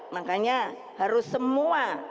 makanya harus semua